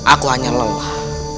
aku hanya lelah